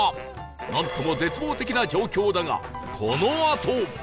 なんとも絶望的な状況だがこのあと